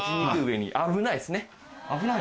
危ないんですか？